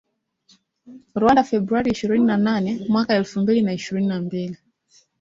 Rwanda Februari ishirini na nane mwaka elfu mbili na ishirini na mbili